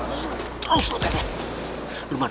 bang harus kuatan dekat